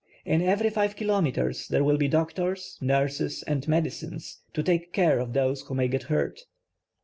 In every five kilometers there will be doctors, nurses and medicines, 111 i;d<e care of those who may get hurt.